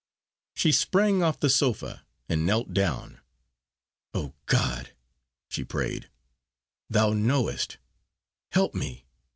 She sprang off the sofa and knelt down. "Oh, God," she prayed, "Thou knowest! Help me!